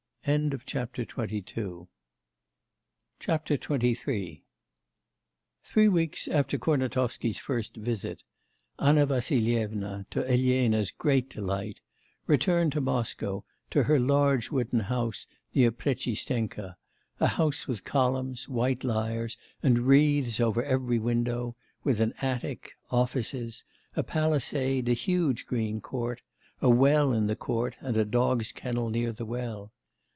XXIII Three weeks after Kurnatovsky's first visit, Anna Vassilyevna, to Elena's great delight, returned to Moscow, to her large wooden house near Prechistenka; a house with columns, white lyres and wreaths over every window, with an attic, offices, a palisade, a huge green court, a well in the court and a dog's kennel near the well.